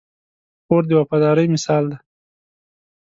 خور د وفادارۍ مثال ده.